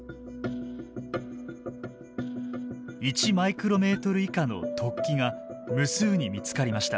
１マイクロメートル以下の突起が無数に見つかりました。